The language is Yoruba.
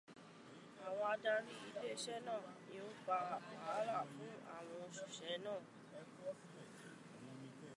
Àwọn adarí ilé iṣẹ́ náà ni ó ń fa wàhálà fún àwọn òṣìṣẹ́ náà.